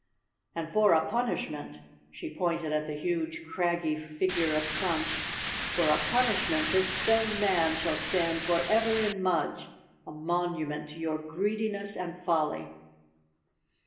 "And for a punishment," she pointed at the huge, craggy figure of Crunch, "for a punishment this Stone Man shall stand forever in Mudge, a monument to your greediness and folly."